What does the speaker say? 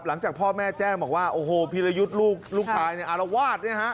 หลังจากพ่อแม่แจ้งบอกว่าโอ้โหพีรยุทธ์ลูกชายเนี่ยอารวาสเนี่ยฮะ